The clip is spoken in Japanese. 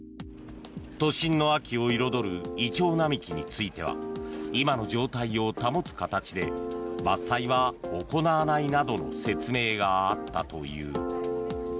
都心の秋を彩るイチョウ並木については今の状態を保つ形で伐採は行わないなどの説明があったという。